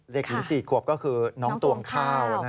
เด็กหญิง๔ขวบก็คือน้องตวงข้าว